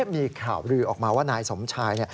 มีข่าวลือออกมาว่านายสมชาย